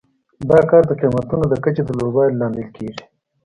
دا کار د قیمتونو د کچې د لوړوالي لامل کیږي.